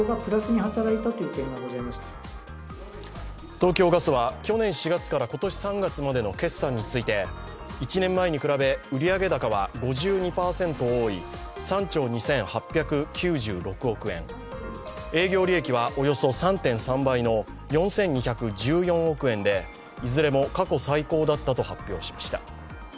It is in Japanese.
東京ガスは去年４月から今年３月までの決算について１年前に比べ、売上高は５２％多い３兆２８９６億円、営業利益はおよそ３．３倍の４２１４億円でいずれも過去最高だったと発表しました。